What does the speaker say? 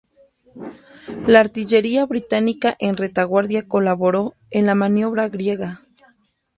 La artillería británica en retaguardia colaboró en la maniobra griega.